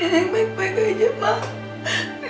nenek baik baik aja mama